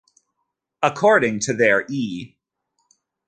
According to their E!